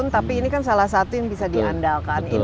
tapi ini kan salah satu yang bisa diandalkan